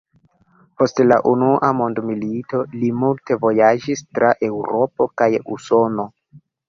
Post la unua mondmilito li multe vojaĝis tra Eŭropo kaj Usono.